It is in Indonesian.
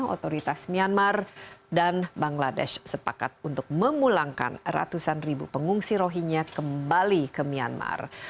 otoritas myanmar dan bangladesh sepakat untuk memulangkan ratusan ribu pengungsi rohingya kembali ke myanmar